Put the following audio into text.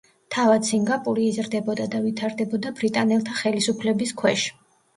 თავად სინგაპური იზრდებოდა და ვითარდებოდა ბრიტანელთა ხელისუფლების ქვეშ.